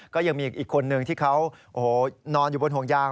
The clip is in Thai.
ก็ยังมีอีกคนนึงที่เขานอนอยู่บนห่วงยาง